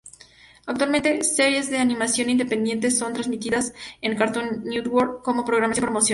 Actualmente, series de animación independiente son transmitidas en Cartoon Network como programación promocionada.